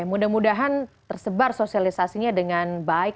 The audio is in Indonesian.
mudah mudahan tersebar sosialisasinya dengan baik